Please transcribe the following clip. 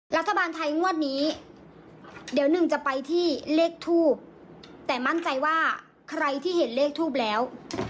รัฐบาลไทยงวดนี้เดี๋ยวหนึ่งจะไปที่เลขทูบแต่มั่นใจว่าใครที่เห็นเลขทูบแล้ว